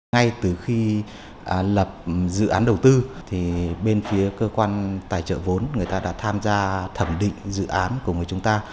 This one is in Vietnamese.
ngay từ khi lập dự án đầu tư bên phía cơ quan tài trợ vốn đã tham gia thẩm định dự án của chúng ta